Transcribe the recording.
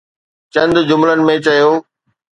چند جملن ۾ چيو.